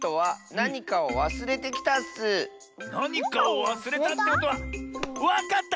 なにかをわすれたってことはわかった！